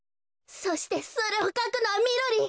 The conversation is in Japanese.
そしてそれをかくのはみろりん！